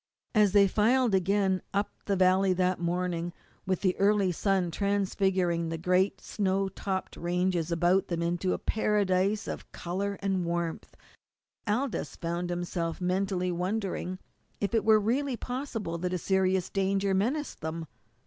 As they filed again up the valley that morning, with the early sun transfiguring the great snow topped ranges about them into a paradise of colour and warmth, Aldous found himself mentally wondering if it were really possible that a serious danger menaced them.